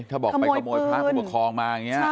ถ้าบอกไปขโมยพลาดผู้ปกครองมา